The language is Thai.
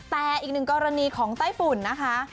แต่อีกหนึ่งกรณีของไต้ฝุ่นนะคะ